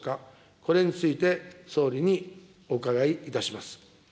これについて総理におうかがいいたします。